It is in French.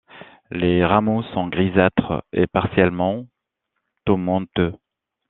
Les rameaux sont grisâtres et partiellement tomenteux.